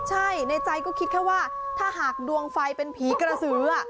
ใช่ในใจก็คิดแค่ว่าถ้าหากดวงไฟเป็นผีกระสือ